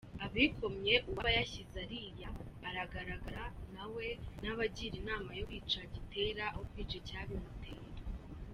Abikomye uwaba yashyize ariya aragaragara nawe nabagira inama yo kwica gitera aho kwica icyabimuteye.